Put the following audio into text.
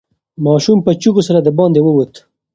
ماشوم په چیغو سره د باندې ووت.